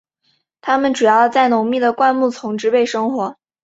它们主要在浓密的灌木丛植被生活。